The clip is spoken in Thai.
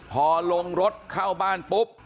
พอลงรถเข้าบ้านปุ๊บ